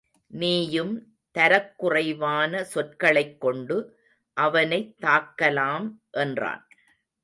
நீயும் தரக்குறைவான சொற்களைக் கொண்டு அவனைத் தாக்கலாம் என்றான்.